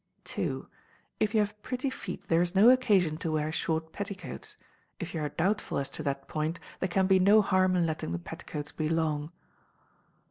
ii. If you have pretty feet there is no occasion to wear short petticoats: if you are doubtful as to that point, there can be no harm in letting the petticoats be long.